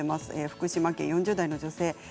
福島県４０代の方です。